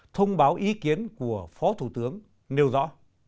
thông báo ý kiến của phó thủ tướng nêu rõ